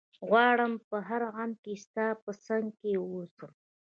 غواړم په هر غم کي ستا په څنګ کي ووسم